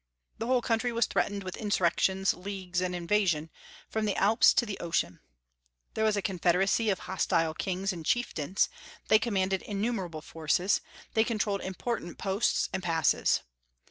The whole country was threatened with insurrections, leagues, and invasion, from the Alps to the ocean. There was a confederacy of hostile kings and chieftains; they commanded innumerable forces; they controlled important posts and passes.